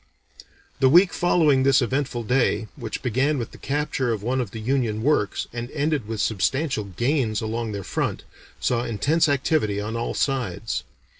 The week following this eventful day, which began with the capture of one of the Union works, and ended with substantial gains along their front, saw intense activity on all sides.